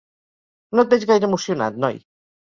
No et veig gaire emocionat, noi.